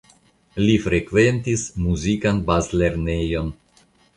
Li frekventis muzikan bazlernejon.